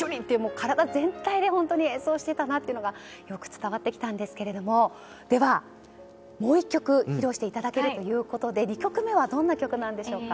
体全体で演奏していたなというのがよく伝わってきたんですがでは、もう１曲披露していただけるということで２曲目は、どんな曲でしょうか？